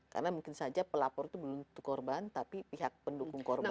karena mungkin saja pelapor itu belum untuk korban tapi pihak pendukung korban